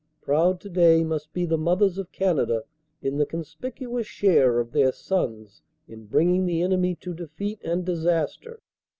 Proud today must be the mothers of Canada in the conspicuous share of their sons in bringing the enemy to defeat and disaster.